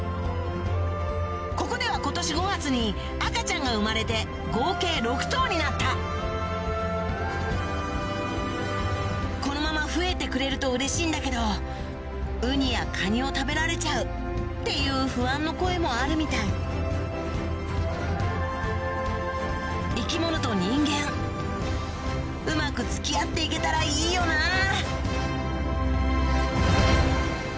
ここでは今年５月に赤ちゃんが生まれて合計６頭になったこのまま増えてくれるとうれしいんだけどウニやカニを食べられちゃうっていう不安の声もあるみたい生き物と人間うまく付き合って行けたらいいよなぁ